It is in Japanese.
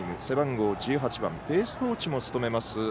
背番号１８番ベースコーチも務めます